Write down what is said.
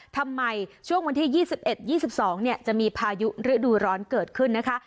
ทำไมช่วงวันที่๒๑๒๒จะมีพายุฤดูร้อนเกิดขึ้นนะคะ